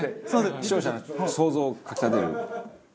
視聴者の想像をかき立てる。